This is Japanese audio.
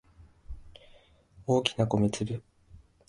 大きな米粒